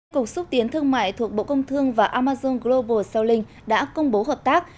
cục xúc tiến thương mại thuộc bộ công thương và amazon global selling đã công bố hợp tác